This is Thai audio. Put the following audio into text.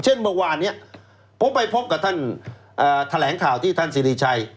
เมื่อวานนี้ผมไปพบกับท่านแถลงข่าวที่ท่านสิริชัย